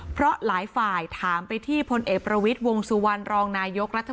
เพราะหลายฝ่ายถามไปที่พลเอกประวิทย์วงสุวรรณรองนายกรัฐมนตรี